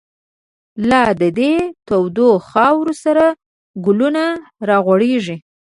لا د دی تودو خاورو، سره گلونه را غوړیږی